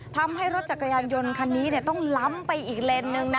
ทำให้รถจักรยานยนต์คันนี้ต้องล้ำไปอีกเลนส์นึงนะ